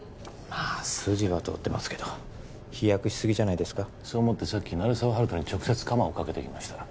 まあ筋は通ってますけど飛躍しすぎじゃないですかそう思ってさっき鳴沢温人に直接カマをかけてきました